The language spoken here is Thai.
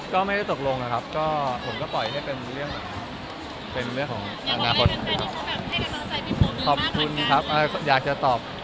ก็ไม่ได้ตกลงนะครับก็ผมก็ปล่อยให้เป็นเรื่องของอนาคต